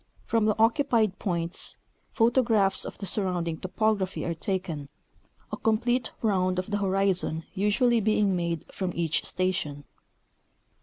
From the occupied points, photographs of the surrounding topograj^hy are taken, a complete round of the horizon usually being made from each station.